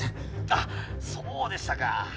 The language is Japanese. あっそうでしたか。